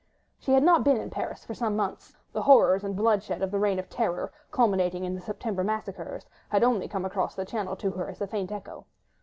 She had not been in Paris for some months; the horrors and bloodshed of the Reign of Terror, culminating in the September massacres, had only come across the Channel to her as a faint echo.